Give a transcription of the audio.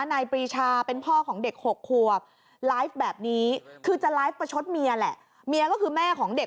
นายปรีชาเป็นพ่อของเด็กหกขวบแบบนี้คือจะแม่ก็คือแม่ของเด็ก